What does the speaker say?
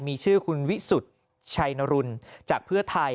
มีชื่อคุณวิสุทธิ์ชัยนรุนจากเพื่อไทย